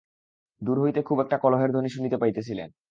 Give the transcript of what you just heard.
দূর হইতে খুব একটা কলহের ধ্বনি শুনিতে পাইতেছিলেন।